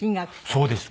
そうです。